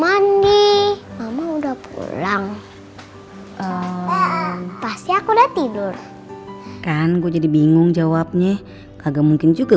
andi udah pulang pasti aku udah tidur kan gue jadi bingung jawabnya kagak mungkin juga